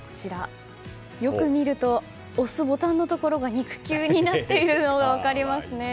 よく見ると押すボタンのところが肉球になっているのが分かりますね。